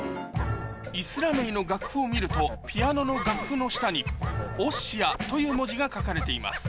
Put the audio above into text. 『イスラメイ』の楽譜を見るとピアノの楽譜の下に「Ｏｓｓｉａ」という文字が書かれています